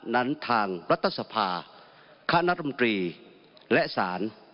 นั้นทางรัฐสภาคณะรมตรีและศาล